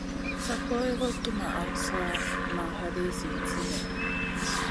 Sa poy guʼ tuwmaʼna, sa nan haday zinzi lèh.